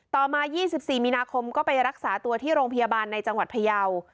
ต่อมา๒๔มีนาคมก็ไปรักษาตัวที่โรงพยาบาลในจังหวัดพยาว